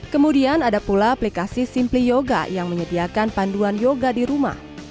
kemudian ada pula aplikasi simply yoga yang menyediakan panduan yoga di rumah